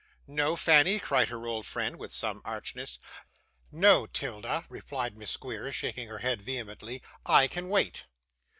'No, Fanny?' cried her old friend with some archness. 'No, 'Tilda,' replied Miss Squeers, shaking her head vehemently. 'I can wait.